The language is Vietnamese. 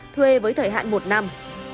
thuê với thời hạn một năm